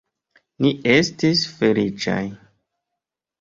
Ni estis feliĉaj.